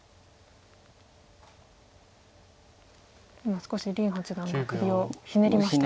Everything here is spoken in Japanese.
今少し林八段が首をひねりましたね。